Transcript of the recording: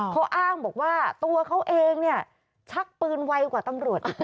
เขาอ้างว่าตัวเขาเองชักปลืนไวกว่าตำรวจ